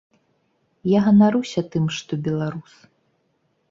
Я ганаруся тым, што беларус.